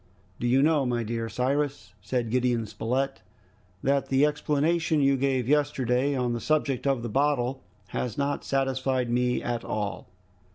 "Do you know, my dear Cyrus," said Gideon Spilett, "that the explanation you gave yesterday on the subject of the bottle has not satisfied me at all!